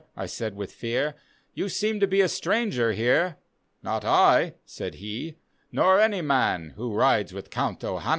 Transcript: I said with fear, " You seem to be a stranger here." " Not I," said he, " nor any man Who rides with Count O'Hanlon."